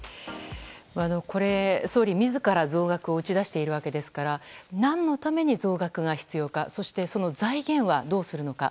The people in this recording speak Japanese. これ、総理自ら増額を打ち出しているわけですから何のために増額が必要かそして、その財源はどうするのか。